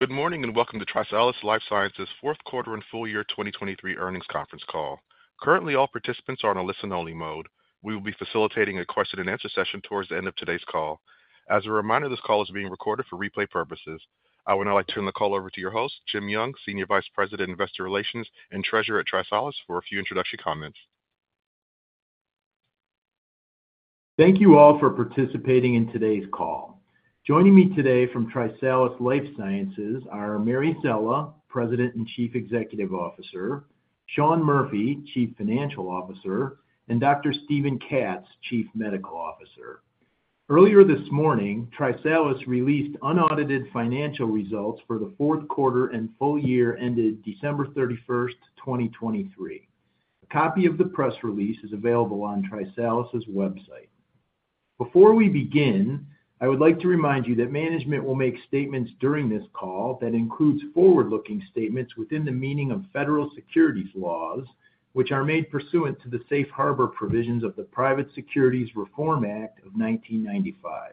Good morning and welcome to TriSalus Life Sciences' fourth quarter and full year 2023 earnings conference call. Currently all participants are on a listen-only mode. We will be facilitating a question-and-answer session towards the end of today's call. As a reminder, this call is being recorded for replay purposes. I would now like to turn the call over to your host, Jim Young, Senior Vice President, Investor Relations and Treasurer at TriSalus, for a few introductory comments. Thank you all for participating in today's call. Joining me today from TriSalus Life Sciences are Mary Szela, President and Chief Executive Officer; Sean Murphy, Chief Financial Officer; and Dr. Steven Katz, Chief Medical Officer. Earlier this morning, TriSalus released unaudited financial results for the fourth quarter and full year ended December 31, 2023. A copy of the press release is available on TriSalus's website. Before we begin, I would like to remind you that management will make statements during this call that include forward-looking statements within the meaning of federal securities laws, which are made pursuant to the Safe Harbor provisions of the Private Securities Reform Act of 1995.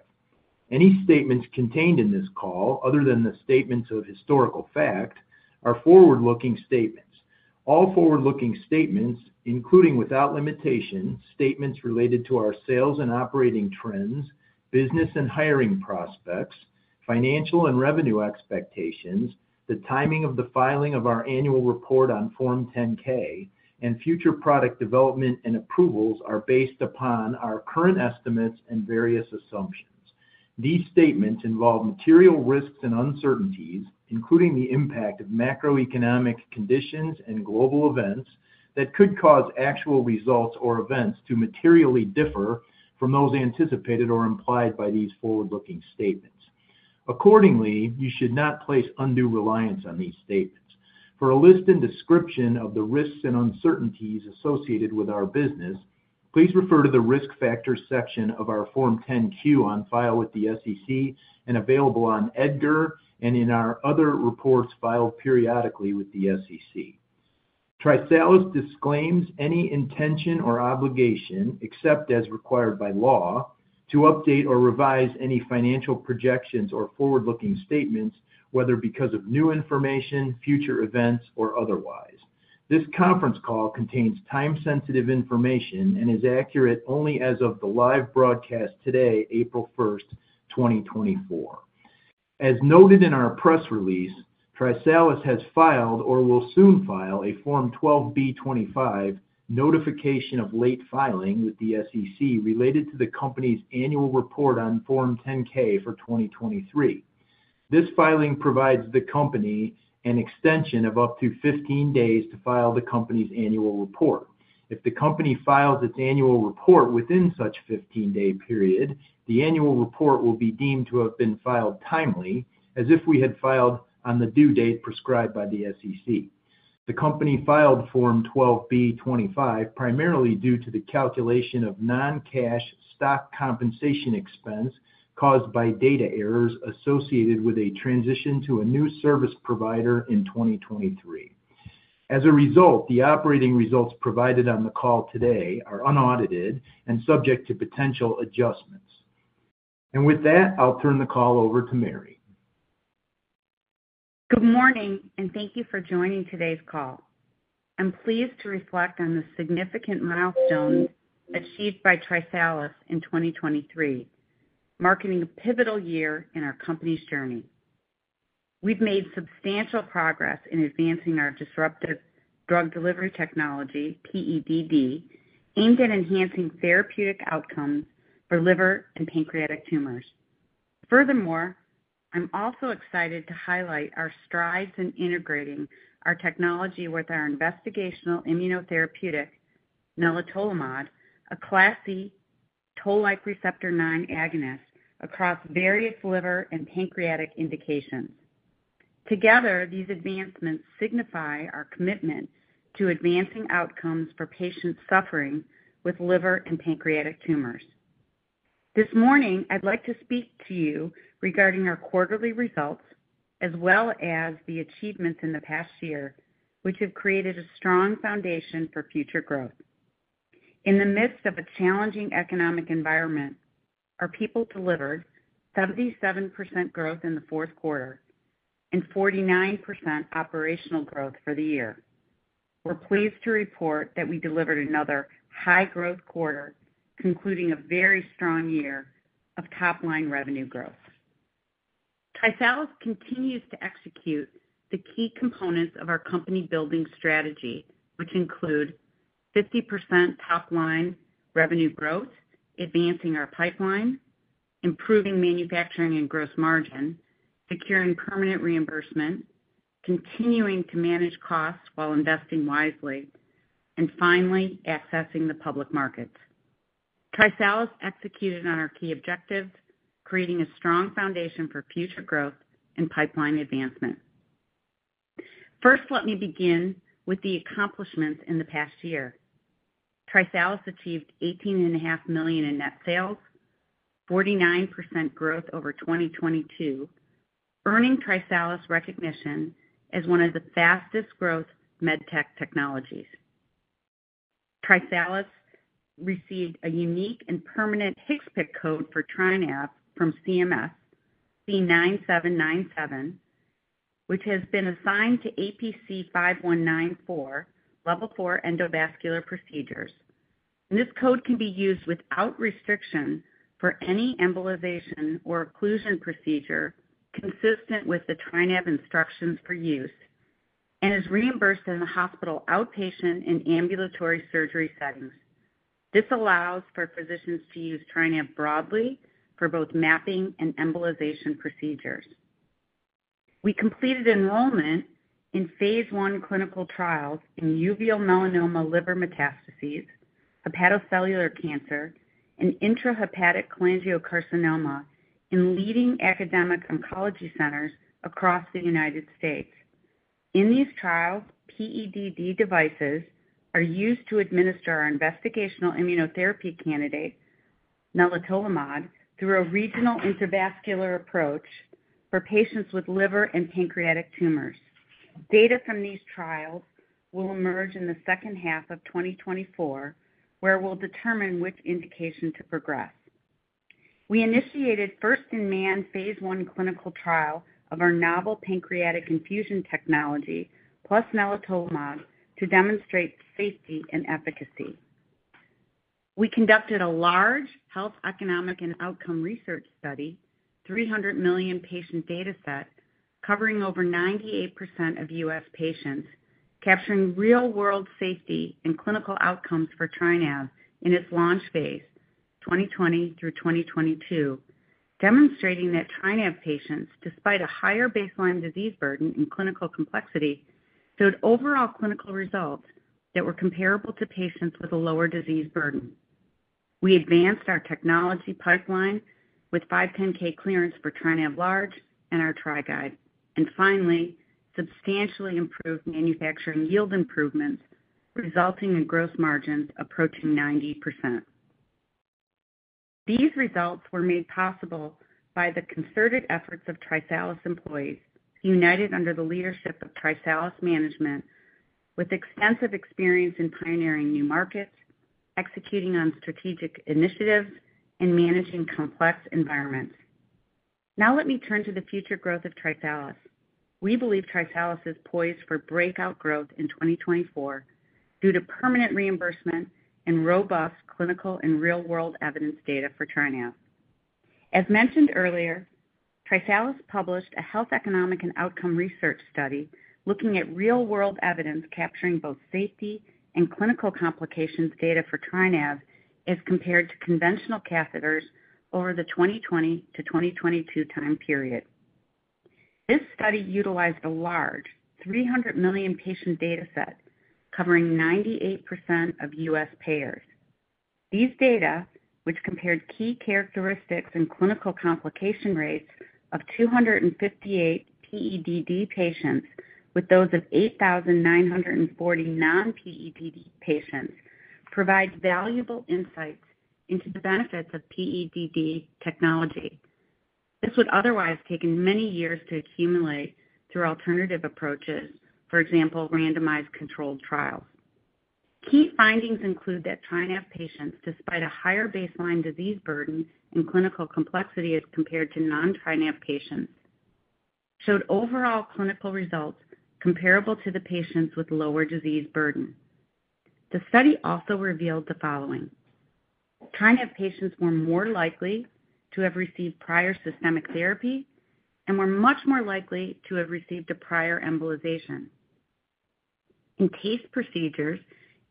Any statements contained in this call, other than the statements of historical fact, are forward-looking statements. All forward-looking statements, including without limitation, statements related to our sales and operating trends, business and hiring prospects, financial and revenue expectations, the timing of the filing of our annual report on Form 10-K, and future product development and approvals are based upon our current estimates and various assumptions. These statements involve material risks and uncertainties, including the impact of macroeconomic conditions and global events that could cause actual results or events to materially differ from those anticipated or implied by these forward-looking statements. Accordingly, you should not place undue reliance on these statements. For a list and description of the risks and uncertainties associated with our business, please refer to the risk factors section of our Form 10-Q on file with the SEC and available on EDGAR and in our other reports filed periodically with the SEC. TriSalus disclaims any intention or obligation, except as required by law, to update or revise any financial projections or forward-looking statements, whether because of new information, future events, or otherwise. This conference call contains time-sensitive information and is accurate only as of the live broadcast today, April 1st, 2024. As noted in our press release, TriSalus has filed or will soon file a Form 12b-25 notification of late filing with the SEC related to the company's annual report on Form 10-K for 2023. This filing provides the company an extension of up to 15 days to file the company's annual report. If the company files its annual report within such a 15-day period, the annual report will be deemed to have been filed timely, as if we had filed on the due date prescribed by the SEC. The company filed Form 12b-25 primarily due to the calculation of non-cash stock compensation expense caused by data errors associated with a transition to a new service provider in 2023. As a result, the operating results provided on the call today are unaudited and subject to potential adjustments. With that, I'll turn the call over to Mary. Good morning and thank you for joining today's call. I'm pleased to reflect on the significant milestones achieved by TriSalus in 2023, marking a pivotal year in our company's journey. We've made substantial progress in advancing our disruptive drug delivery technology, PEDD, aimed at enhancing therapeutic outcomes for liver and pancreatic tumors. Furthermore, I'm also excited to highlight our strides in integrating our technology with our investigational immunotherapeutic nelitolimod, a class C toll-like receptor 9 agonist, across various liver and pancreatic indications. Together, these advancements signify our commitment to advancing outcomes for patients suffering with liver and pancreatic tumors. This morning, I'd like to speak to you regarding our quarterly results as well as the achievements in the past year, which have created a strong foundation for future growth. In the midst of a challenging economic environment, our people delivered 77% growth in the fourth quarter and 49% operational growth for the year. We're pleased to report that we delivered another high-growth quarter, concluding a very strong year of top-line revenue growth. TriSalus continues to execute the key components of our company-building strategy, which include 50% top-line revenue growth, advancing our pipeline, improving manufacturing and gross margin, securing permanent reimbursement, continuing to manage costs while investing wisely, and finally, accessing the public markets. TriSalus executed on our key objectives, creating a strong foundation for future growth and pipeline advancement. First, let me begin with the accomplishments in the past year. TriSalus achieved $18.5 million in net sales, 49% growth over 2022, earning TriSalus recognition as one of the fastest-growth medtech technologies. TriSalus received a unique and permanent HCPCS code for TriNav from CMS, C9797, which has been assigned to APC 5194, Level-4 Endovascular Procedures. This code can be used without restriction for any embolization or occlusion procedure consistent with the TriNav instructions for use and is reimbursed in the hospital outpatient and ambulatory surgery settings. This allows for physicians to use TriNav broadly for both mapping and embolization procedures. We completed enrollment in phase I clinical trials in uveal melanoma liver metastases, hepatocellular cancer, and intrahepatic cholangiocarcinoma in leading academic oncology centers across the United States. In these trials, PEDD devices are used to administer our investigational immunotherapy candidate, nelitolimod, through a regional intravascular approach for patients with liver and pancreatic tumors. Data from these trials will emerge in the second half of 2024, where we'll determine which indication to progress. We initiated first-in-man phase I clinical trial of our novel pancreatic infusion technology, plus nelitolimod, to demonstrate safety and efficacy. We conducted a large health economics and outcomes research study, 300 million patient data set, covering over 98% of U.S. patients, capturing real-world safety and clinical outcomes for TriNav in its launch phase, 2020 through 2022, demonstrating that TriNav patients, despite a higher baseline disease burden and clinical complexity, showed overall clinical results that were comparable to patients with a lower disease burden. We advanced our technology pipeline with 510(k) clearance for TriNav Large and our TriGuide, and finally, substantially improved manufacturing yield improvements, resulting in gross margins approaching 90%. These results were made possible by the concerted efforts of TriSalus employees, united under the leadership of TriSalus management, with extensive experience in pioneering new markets, executing on strategic initiatives, and managing complex environments. Now let me turn to the future growth of TriSalus. We believe TriSalus is poised for breakout growth in 2024 due to permanent reimbursement and robust clinical and real-world evidence data for TriNav. As mentioned earlier, TriSalus published a Health Economics and Outcomes Research study looking at real-world evidence capturing both safety and clinical complications data for TriNav as compared to conventional catheters over the 2020 to 2022 time period. This study utilized a large, 300 million patient data set, covering 98% of U.S. payers. These data, which compared key characteristics and clinical complication rates of 258 PEDD patients with those of 8,940 non-PEDD patients, provide valuable insights into the benefits of PEDD technology. This would otherwise take many years to accumulate through alternative approaches, for example, randomized controlled trials. Key findings include that TriNav patients, despite a higher baseline disease burden and clinical complexity as compared to non-TriNav patients, showed overall clinical results comparable to the patients with lower disease burden. The study also revealed the following: TriNav patients were more likely to have received prior systemic therapy and were much more likely to have received a prior embolization. In TACE procedures,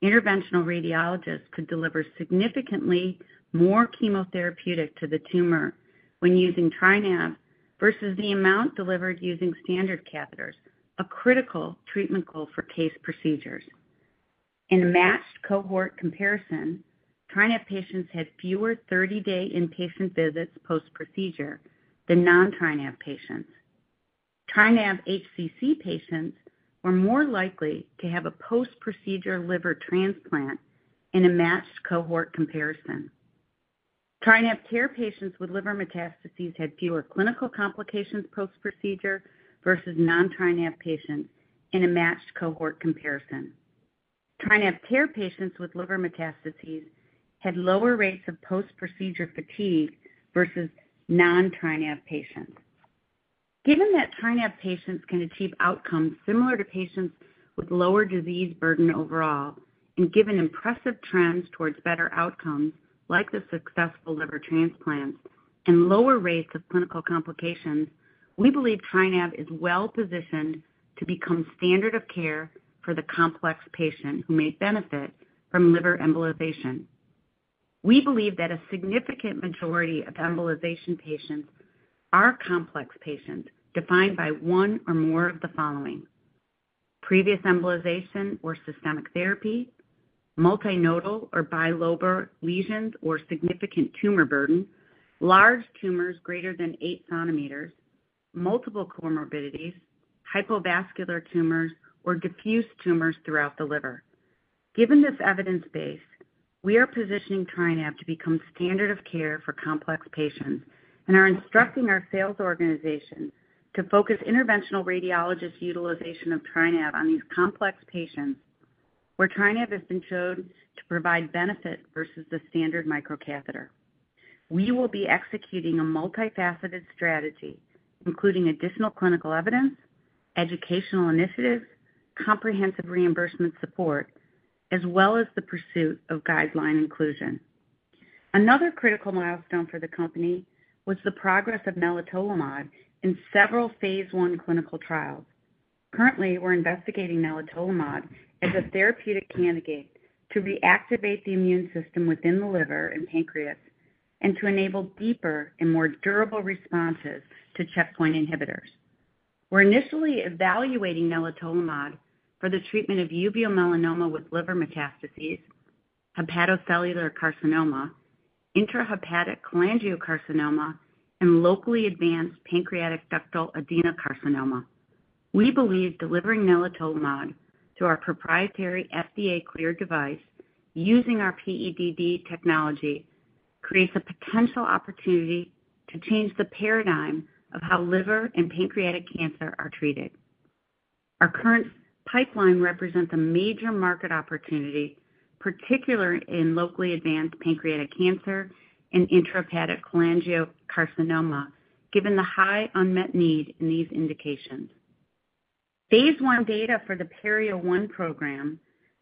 interventional radiologists could deliver significantly more chemotherapeutic to the tumor when using TriNav versus the amount delivered using standard catheters, a critical treatment goal for TACE procedures. In a matched cohort comparison, TriNav patients had fewer 30-day inpatient visits post-procedure than non-TriNav patients. TriNav HCC patients were more likely to have a post-procedure liver transplant in a matched cohort comparison. TriNav TARE patients with liver metastases had fewer clinical complications post-procedure versus non-TriNav patients in a matched cohort comparison. TriNav TARE patients with liver metastases had lower rates of post-procedure fatigue versus non-TriNav patients. Given that TriNav patients can achieve outcomes similar to patients with lower disease burden overall, and given impressive trends towards better outcomes like the successful liver transplants and lower rates of clinical complications, we believe TriNav is well-positioned to become standard of care for the complex patient who may benefit from liver embolization. We believe that a significant majority of embolization patients are complex patients defined by one or more of the following: previous embolization or systemic therapy, multinodal or bilobar lesions or significant tumor burden, large tumors greater than 8 cm, multiple comorbidities, hypovascular tumors, or diffuse tumors throughout the liver. Given this evidence base, we are positioning TriNav to become standard of care for complex patients and are instructing our sales organizations to focus interventional radiologists' utilization of TriNav on these complex patients where TriNav has been shown to provide benefit versus the standard microcatheter. We will be executing a multifaceted strategy, including additional clinical evidence, educational initiatives, comprehensive reimbursement support, as well as the pursuit of guideline inclusion. Another critical milestone for the company was the progress of nelitolimod in several phase I clinical trials. Currently, we're investigating nelitolimod as a therapeutic candidate to reactivate the immune system within the liver and pancreas and to enable deeper and more durable responses to checkpoint inhibitors. We're initially evaluating nelitolimod for the treatment of uveal melanoma with liver metastases, hepatocellular carcinoma, intrahepatic cholangiocarcinoma, and locally advanced pancreatic ductal adenocarcinoma. We believe delivering nelitolimod through our proprietary FDA-cleared device using our PEDD technology creates a potential opportunity to change the paradigm of how liver and pancreatic cancer are treated. Our current pipeline represents a major market opportunity, particularly in locally advanced pancreatic cancer and intrahepatic cholangiocarcinoma, given the high unmet need in these indications. phase I data for the PERIO-1 program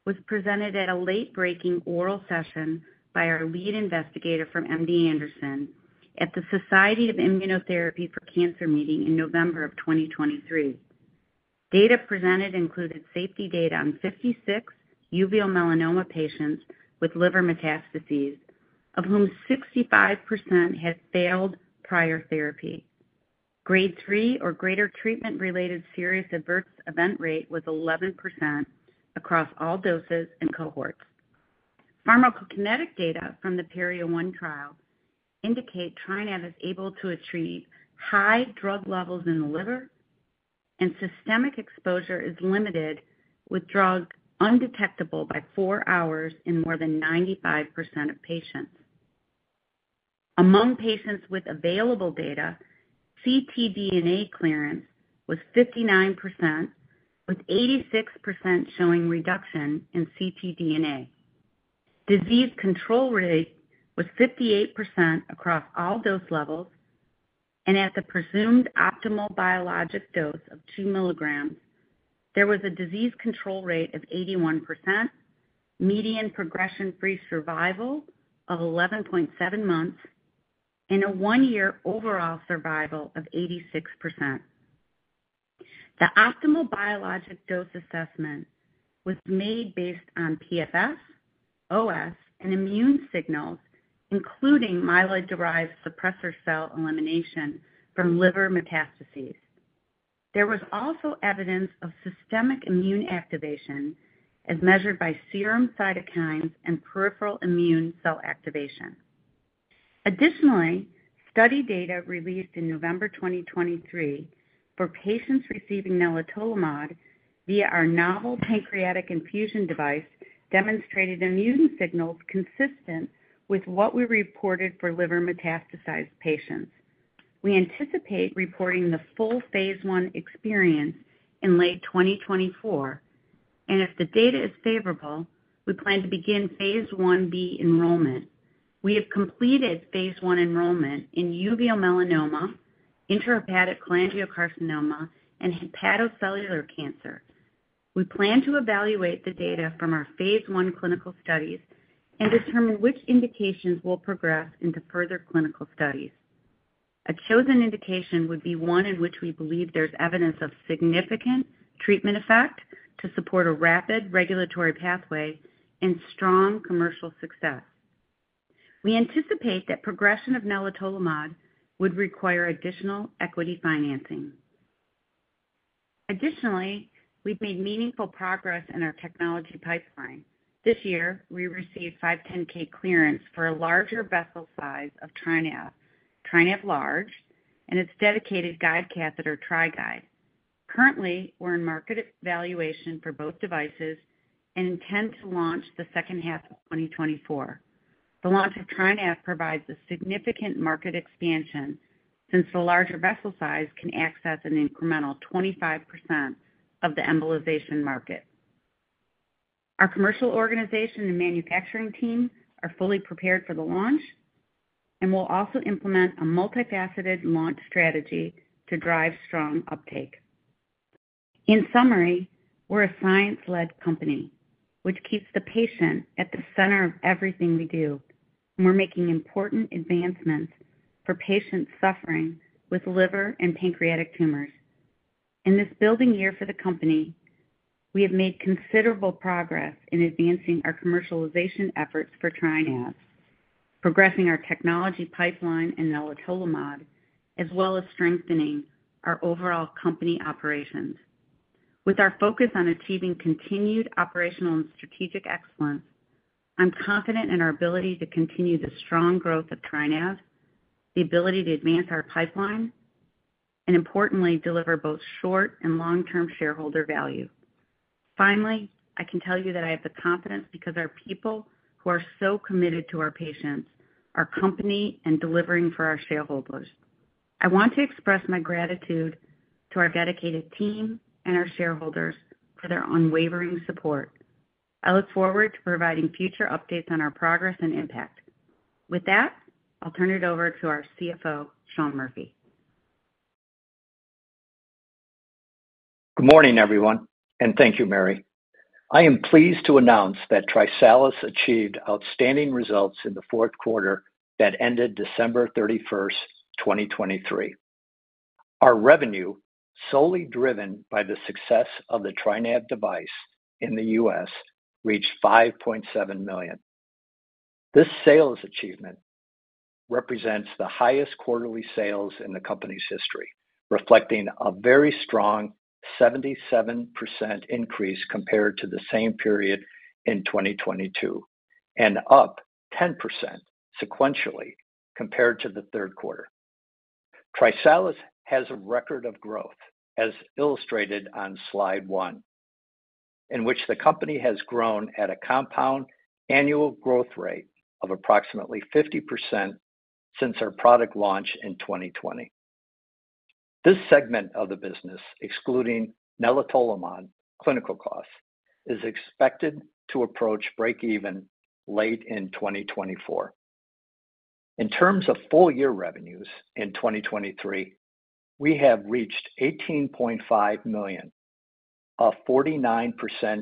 was presented at a late-breaking oral session by our lead investigator from MD Anderson at the Society for Immunotherapy of Cancer meeting in November of 2023. Data presented included safety data on 56 uveal melanoma patients with liver metastases, of whom 65% had failed prior therapy. Grade III or greater treatment-related serious adverse event rate was 11% across all doses and cohorts. Pharmacokinetic data from the PERIO-1 trial indicate TriNav is able to achieve high drug levels in the liver, and systemic exposure is limited with drug undetectable by 4 hours in more than 95% of patients. Among patients with available data, ctDNA clearance was 59%, with 86% showing reduction in ctDNA. Disease control rate was 58% across all dose levels, and at the presumed optimal biologic dose of 2 mg, there was a disease control rate of 81%, median progression-free survival of 11.7 months, and a 1-year overall survival of 86%. The optimal biologic dose assessment was made based on PFS, OS, and immune signals, including myeloid-derived suppressor cell elimination from liver metastases. There was also evidence of systemic immune activation as measured by serum cytokines and peripheral immune cell activation. Additionally, study data released in November 2023 for patients receiving nelitolimod via our novel pancreatic infusion device demonstrated immune signals consistent with what we reported for liver metastasized patients. We anticipate reporting the full phase I experience in late 2024, and if the data is favorable, we plan to begin phase IB enrollment. We have completed phase I enrollment in uveal melanoma, intrahepatic cholangiocarcinoma, and hepatocellular cancer. We plan to evaluate the data from our phase I clinical studies and determine which indications will progress into further clinical studies. A chosen indication would be one in which we believe there's evidence of significant treatment effect to support a rapid regulatory pathway and strong commercial success. We anticipate that progression of nelitolimod would require additional equity financing. Additionally, we've made meaningful progress in our technology pipeline. This year, we received 510-K clearance for a larger vessel size of TriNav, TriNav Large, and its dedicated guide catheter, TriGuide. Currently, we're in market evaluation for both devices and intend to launch the second half of 2024. The launch of TriNav provides a significant market expansion since the larger vessel size can access an incremental 25% of the embolization market. Our commercial organization and manufacturing team are fully prepared for the launch, and we'll also implement a multifaceted launch strategy to drive strong uptake. In summary, we're a science-led company, which keeps the patient at the center of everything we do, and we're making important advancements for patients suffering with liver and pancreatic tumors. In this building year for the company, we have made considerable progress in advancing our commercialization efforts for TriNav, progressing our technology pipeline and nelitolimod, as well as strengthening our overall company operations. With our focus on achieving continued operational and strategic excellence, I'm confident in our ability to continue the strong growth of TriNav, the ability to advance our pipeline, and importantly, deliver both short and long-term shareholder value. Finally, I can tell you that I have the confidence because our people who are so committed to our patients are company and delivering for our shareholders. I want to express my gratitude to our dedicated team and our shareholders for their unwavering support. I look forward to providing future updates on our progress and impact. With that, I'll turn it over to our CFO, Sean Murphy. Good morning, everyone, and thank you, Mary. I am pleased to announce that TriSalus achieved outstanding results in the fourth quarter that ended December 31st, 2023. Our revenue, solely driven by the success of the TriNav device in the U.S., reached $5.7 million. This sales achievement represents the highest quarterly sales in the company's history, reflecting a very strong 77% increase compared to the same period in 2022 and up 10% sequentially compared to the third quarter. TriSalus has a record of growth, as illustrated on slide one, in which the company has grown at a compound annual growth rate of approximately 50% since our product launch in 2020. This segment of the business, excluding nelitolimod clinical costs, is expected to approach break-even late in 2024. In terms of full-year revenues in 2023, we have reached $18.5 million, a 49%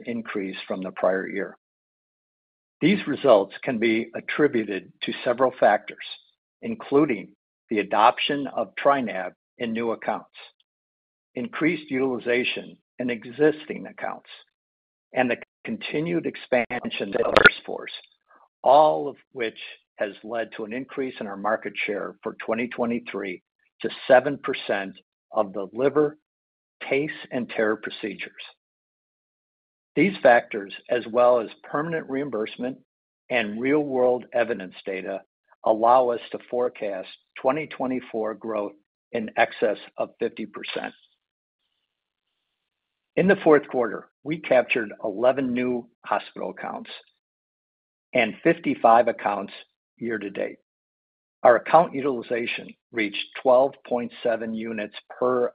increase from the prior year. These results can be attributed to several factors, including the adoption of TriNav in new accounts, increased utilization in existing accounts, and the continued expansion of the sales force, all of which has led to an increase in our market share for 2023 to 7% of the liver, case, and TARE procedures. These factors, as well as permanent reimbursement and real-world evidence data, allow us to forecast 2024 growth in excess of 50%. In the fourth quarter, we captured 11 new hospital accounts and 55 accounts year to date. Our account utilization reached 12.7 units per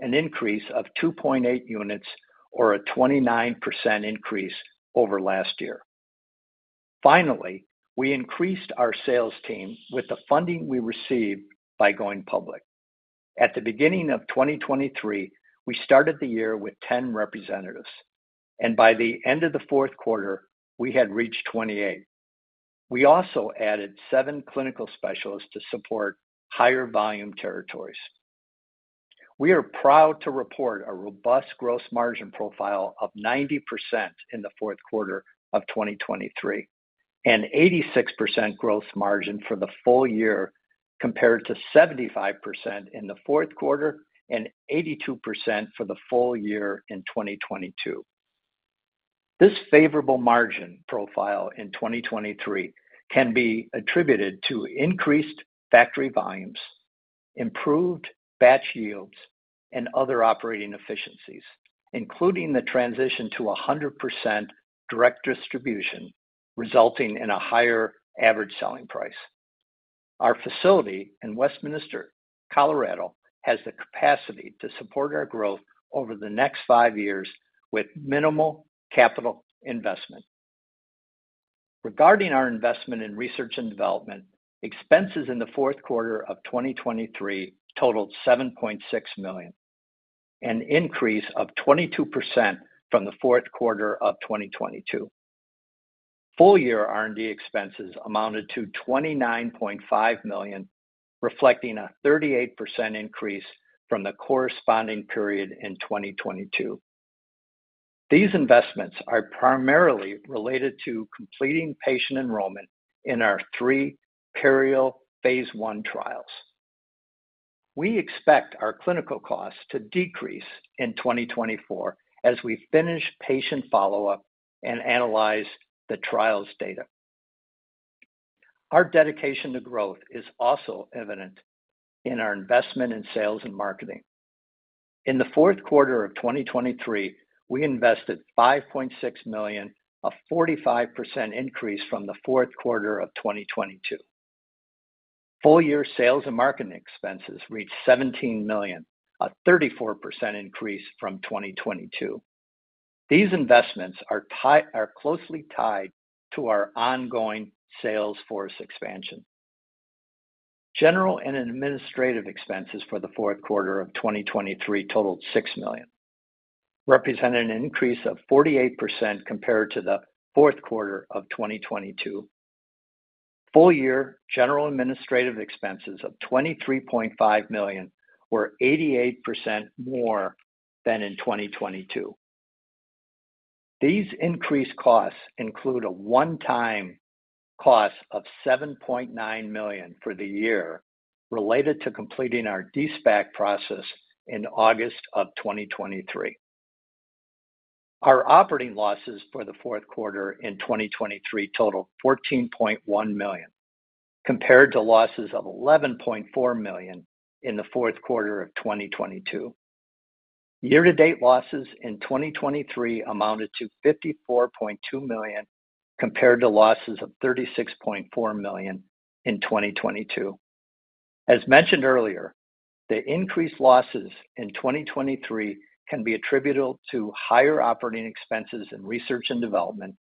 account, an increase of 2.8 units or a 29% increase over last year. Finally, we increased our sales team with the funding we received by going public. At the beginning of 2023, we started the year with 10 representatives, and by the end of the fourth quarter, we had reached 28. We also added seven clinical specialists to support higher volume territories. We are proud to report a robust gross margin profile of 90% in the fourth quarter of 2023 and 86% gross margin for the full year compared to 75% in the fourth quarter and 82% for the full year in 2022. This favorable margin profile in 2023 can be attributed to increased factory volumes, improved batch yields, and other operating efficiencies, including the transition to 100% direct distribution, resulting in a higher average selling price. Our facility in Westminster, Colorado, has the capacity to support our growth over the next five years with minimal capital investment. Regarding our investment in research and development, expenses in the fourth quarter of 2023 totaled $7.6 million, an increase of 22% from the fourth quarter of 2022. Full-year R&D expenses amounted to $29.5 million, reflecting a 38% increase from the corresponding period in 2022. These investments are primarily related to completing patient enrollment in our three PERIO phase I trials. We expect our clinical costs to decrease in 2024 as we finish patient follow-up and analyze the trials data. Our dedication to growth is also evident in our investment in sales and marketing. In the fourth quarter of 2023, we invested $5.6 million, a 45% increase from the fourth quarter of 2022. Full-year sales and marketing expenses reached $17 million, a 34% increase from 2022. These investments are closely tied to our ongoing sales force expansion. General and administrative expenses for the fourth quarter of 2023 totaled $6 million, representing an increase of 48% compared to the fourth quarter of 2022. Full-year general and administrative expenses of $23.5 million were 88% more than in 2022. These increased costs include a one-time cost of $7.9 million for the year related to completing our de-SPAC process in August of 2023. Our operating losses for the fourth quarter in 2023 totaled $14.1 million compared to losses of $11.4 million in the fourth quarter of 2022. Year-to-date losses in 2023 amounted to $54.2 million compared to losses of $36.4 million in 2022. As mentioned earlier, the increased losses in 2023 can be attributed to higher operating expenses in research and development,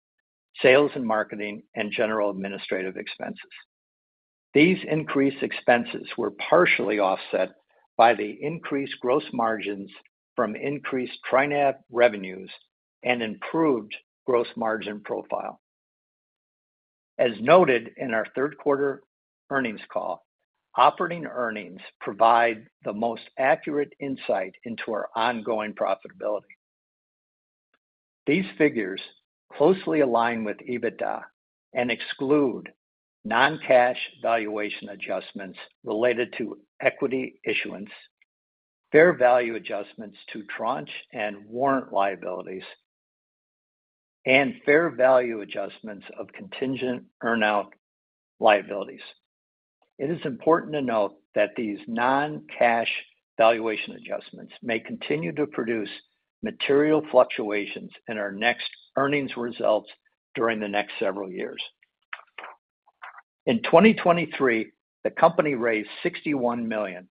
sales and marketing, and general administrative expenses. These increased expenses were partially offset by the increased gross margins from increased TriNav revenues and improved gross margin profile. As noted in our third quarter earnings call, operating earnings provide the most accurate insight into our ongoing profitability. These figures closely align with EBITDA and exclude non-cash valuation adjustments related to equity issuance, fair value adjustments to tranche and warrant liabilities, and fair value adjustments of contingent earnout liabilities. It is important to note that these non-cash valuation adjustments may continue to produce material fluctuations in our next earnings results during the next several years. In 2023, the company raised $61 million.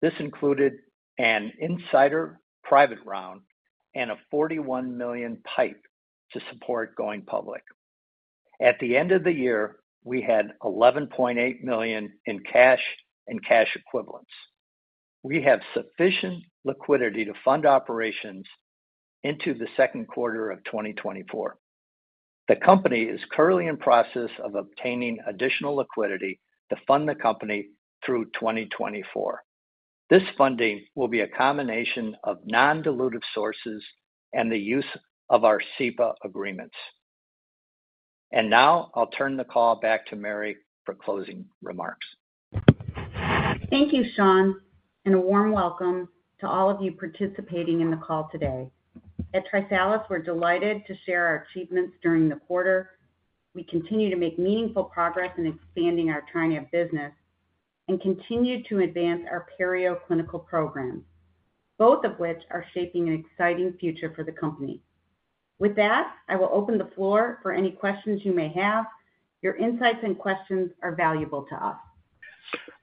This included an insider private round and a $41 million PIPE to support going public. At the end of the year, we had $11.8 million in cash and cash equivalents. We have sufficient liquidity to fund operations into the second quarter of 2024. The company is currently in the process of obtaining additional liquidity to fund the company through 2024. This funding will be a combination of non-dilutive sources and the use of our SEPA agreements. Now I'll turn the call back to Mary for closing remarks. Thank you, Sean, and a warm welcome to all of you participating in the call today. At TriSalus, we're delighted to share our achievements during the quarter. We continue to make meaningful progress in expanding our TriNav business and continue to advance our PERIO clinical programs, both of which are shaping an exciting future for the company. With that, I will open the floor for any questions you may have. Your insights and questions are valuable to us.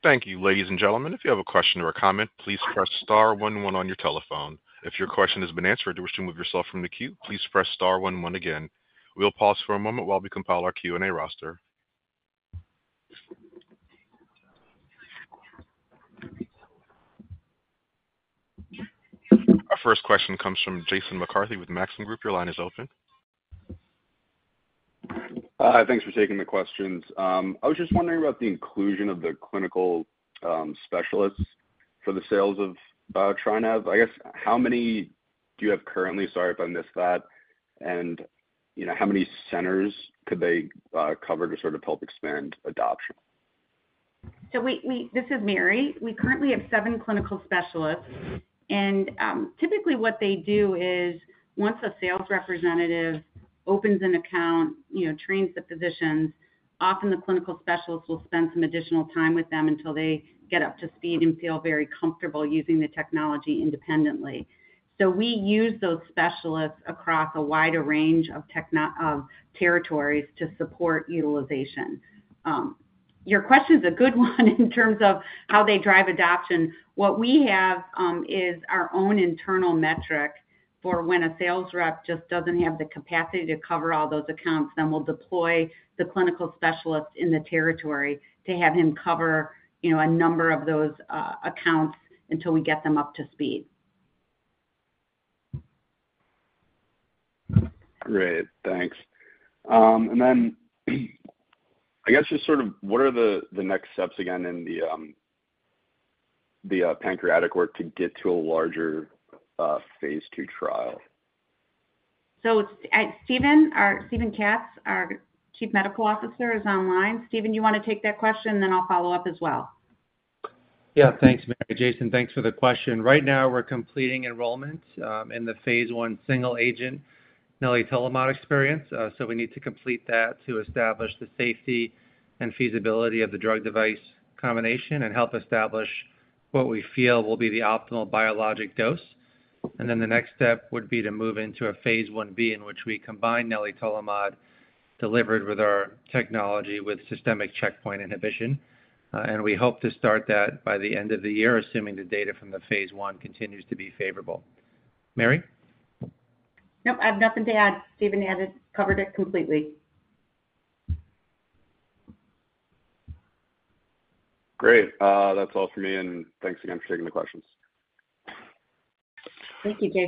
Thank you. Ladies and gentlemen, if you have a question or a comment, please press star 11 on your telephone. If your question has been answered or you wish to move yourself from the queue, please press star 11 again. We'll pause for a moment while we compile our Q&A roster. Our first question comes from Jason McCarthy with Maxim Group. Your line is open. Thanks for taking the questions. I was just wondering about the inclusion of the clinical specialists for the sales of TriNav. I guess, how many do you have currently? Sorry if I missed that. And how many centers could they cover to sort of help expand adoption? So this is Mary. We currently have seven clinical specialists. And typically, what they do is once a sales representative opens an account, trains the physicians, often the clinical specialists will spend some additional time with them until they get up to speed and feel very comfortable using the technology independently. So we use those specialists across a wider range of territories to support utilization. Your question is a good one in terms of how they drive adoption. What we have is our own internal metric for when a sales rep just doesn't have the capacity to cover all those accounts, then we'll deploy the clinical specialist in the territory to have him cover a number of those accounts until we get them up to speed. Great. Thanks. And then I guess just sort of what are the next steps again in the pancreatic work to get to a larger phase II trial? So Steven, our Steven Katz, our Chief Medical Officer, is online. Steven, you want to take that question, and then I'll follow up as well. Yeah. Thanks, Mary. Jason, thanks for the question. Right now, we're completing enrollment in the phase I single agent nelitolimod experience. So we need to complete that to establish the safety and feasibility of the drug device combination and help establish what we feel will be the optimal biologic dose. Then the next step would be to move into a phase 1B in which we combine nelitolimod delivered with our technology with systemic checkpoint inhibition. We hope to start that by the end of the year, assuming the data from the phase I continues to be favorable. Mary? Nope. I have nothing to add. Steven covered it completely. Great. That's all for me. Thanks again for taking the questions. Thank you, Jason.